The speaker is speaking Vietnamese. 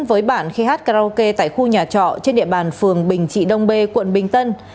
với bản khí hát karaoke tại khu nhà trọ trên địa bàn phường bình trị đông bê quận bình tân